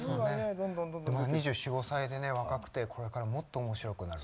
まだ２４２５歳で若くてこれからもっと面白くなる。